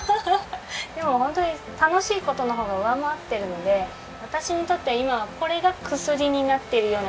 でもホントに楽しい事の方が上回ってるので私にとっては今はこれが薬になってるような気がしてます。